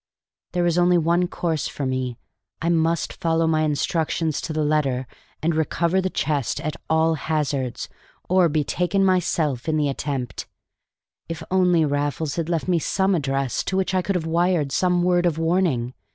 There was only one course for me. I must follow my instructions to the letter and recover the chest at all hazards, or be taken myself in the attempt. If only Raffles had left me some address, to which I could have wired some word of warning!